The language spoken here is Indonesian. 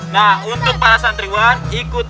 nah untuk para santriwan ikut